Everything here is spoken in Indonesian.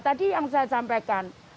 tadi yang saya sampaikan